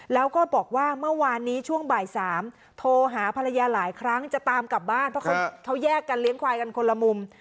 แล้วก็บอกว่าเมื่อวานนี้ช่วงบ่าย๓โทรหาภรรยาหลายครั้งจะตามกลับบ้านเพราะเขาแยกกันเลี้ยงควายกันคนละมุม